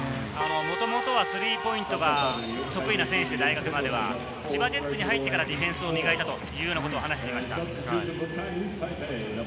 もともとはスリーポイントが得意な選手で、大学までは千葉ジェッツに入ってからディフェンスを磨いたというようなことを話していました。